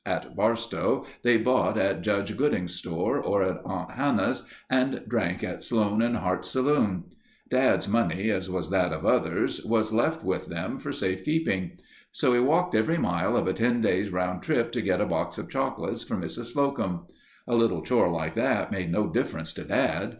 At Barstow they bought at Judge Gooding's store or at Aunt Hannah's, and drank at Sloan and Hart's saloon. Dad's money, as was that of others, was left with them for safe keeping. So he walked every mile of a ten days' round trip to get a box of chocolates for Mrs. Slocum. A little chore like that made no difference to Dad.